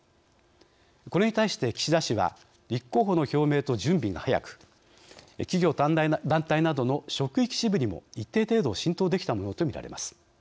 これに対して岸田氏は立候補の表明と準備が早く企業・団体などの職域支部にも一定程度浸透できたものとみられます。